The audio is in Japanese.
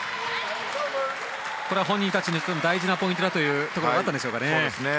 これは本人たちにとっても大事なポイントだというところあったでしょうか。